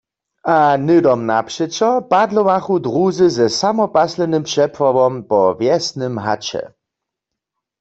A hnydom napřećo padlowachu druzy ze samopaslenym přepławom po wjesnym haće.